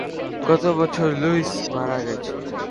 গতবছর লুইস মারা গেছে।